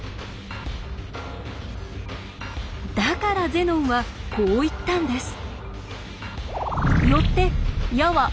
だからゼノンはこう言ったんです。